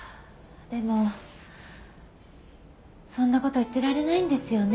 でもそんな事言ってられないんですよね。